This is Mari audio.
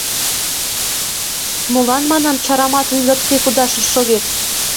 — Молан, манам, чараматын йотке кудашын шогет?